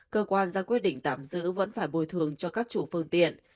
cơ quan ra quyết định tạm giữ vẫn phải bồi thường cho các chủ phương tiện